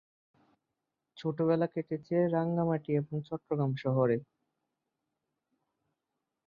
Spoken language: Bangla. ছেলেবেলা কেটেছে রাঙামাটি এবং চট্টগ্রাম শহরে।